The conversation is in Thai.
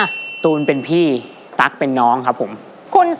แล้ววันนี้ผมมีสิ่งหนึ่งนะครับเป็นตัวแทนกำลังใจจากผมเล็กน้อยครับ